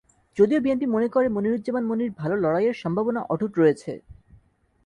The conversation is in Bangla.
যদিও বিএনপি মনে করে মনিরুজ্জামান মনির ভালো লড়াইয়ের সম্ভাবনা অটুট রয়েছে।